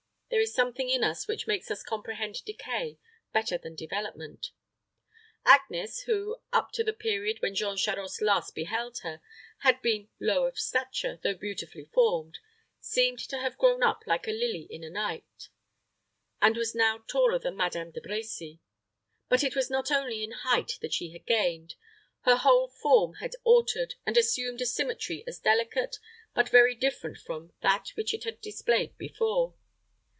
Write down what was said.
There is something in us which makes us comprehend decay better than development. Agnes, who, up to the period when Jean Charost last beheld her, had been low of stature, though beautifully formed, seemed to have grown up like a lily in a night, and was now taller than Madame De Brecy. But it was not only in height that she had gained: her whole form had altered, and assumed a symmetry as delicate, but very different from that which it had displayed before.